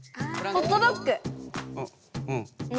ホットドッグ。